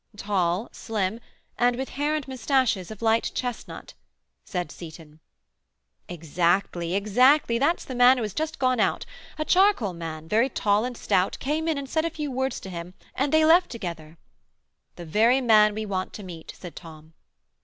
"Tall, slim, and with hair and moustaches of light chestnut," said Seyton. "Exactly, exactly; that's the man who has just gone out. A charcoal man, very tall and stout, came in and said a few words to him, and they left together." "The very man we want to meet," said Tom.